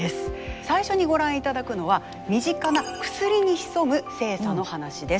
最初にご覧いただくのは身近な薬に潜む性差の話です。